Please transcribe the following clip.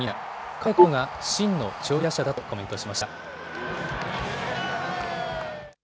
彼こそが真の長距離打者だとコメントしました。